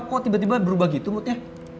kok tiba tiba berubah gitu mutnya